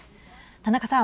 田中さん。